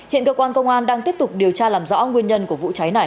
hiện cơ quan công an đang tiếp tục điều tra làm rõ nguyên nhân của vụ cháy này